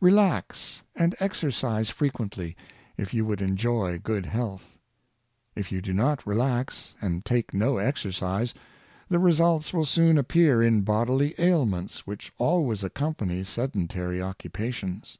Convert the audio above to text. Relax and exercise frequently, if you would enjoy good health. If you do not relax, and take no exercise, the results will soon appear in bodily ailments which always accompany sedentary occupations.